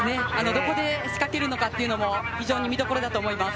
どこで仕掛けるのかというのも非常に見どころだと思います。